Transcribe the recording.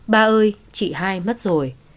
ba ơi chị hai mất rồi